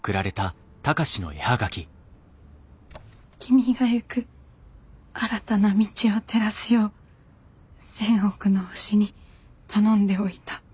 「君が行く新たな道を照らすよう千億の星に頼んでおいた」。